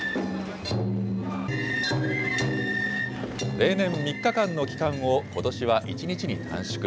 例年、３日間の期間をことしは１日に短縮。